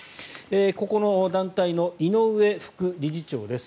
ここの団体の井上副理事長です。